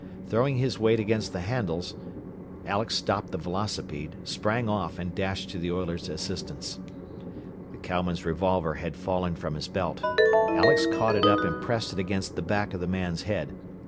Throwing his weight against the handles, Alex stopped the velocipede, sprang off, and dashed to the oiler's assistance. The cowman's revolver had fallen from his belt. Alex caught it up and pressed it against the back of the man's head.